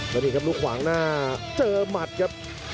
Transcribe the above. แล้วนี่ครับลูกขวางหน้าเจอหมัดครับ